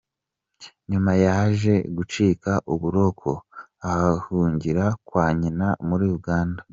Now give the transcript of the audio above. Nyuma yaje gucika uburoko ahungira kwa nyina muri Uganda.